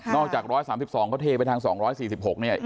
อกจาก๑๓๒เขาเทไปทาง๒๔๖เนี่ย